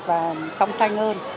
và trong xanh hơn